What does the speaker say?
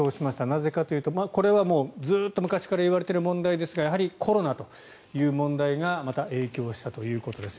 なぜかというと、これはもうずっと昔から言われている問題ですがやはりコロナという問題がまた影響したということです。